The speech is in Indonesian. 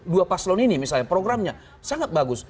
dua paslon ini misalnya programnya sangat bagus